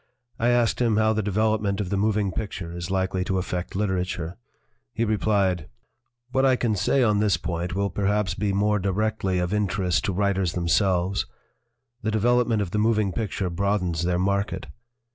I asked him how the development of the moving picture is likely to affect literature. He replied : "What I can say on this point will perhaps be more directly of interest to writers themselves; the development of the moving picture broadens their market.